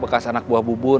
backup bekas anak buah bubun